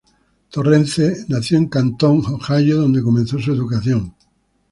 Torrence nació en Canton, Ohio dónde comenzó su educación.